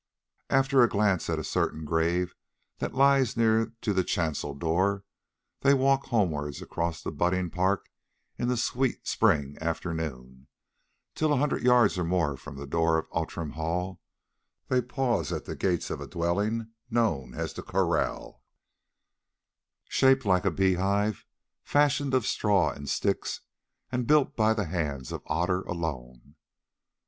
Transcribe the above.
After a glance at a certain grave that lies near to the chancel door, they walk homewards across the budding park in the sweet spring afternoon, till, a hundred yards or more from the door of Outram Hall, they pause at the gates of a dwelling known as "The Kraal," shaped like a beehive, fashioned of straw and sticks, and built by the hands of Otter alone.